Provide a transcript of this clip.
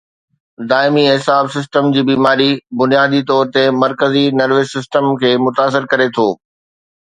دائمي اعصاب سسٽم جي بيماري بنيادي طور تي مرڪزي نروس سسٽم کي متاثر ڪري ٿو